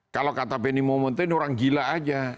kalau kata benny momento ini orang gila aja